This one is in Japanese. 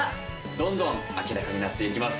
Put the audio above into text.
どんどん明らかになって行きます。